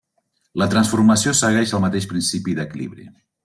La transformació segueix el mateix principi d'equilibri.